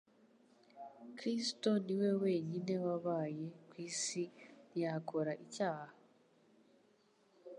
Kristo ni we wenyine wabaye ku isi ntiyakora icyaha;